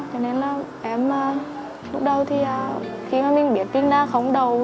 cho nên là em lúc đầu thì khi mà mình biết mình đã không đầu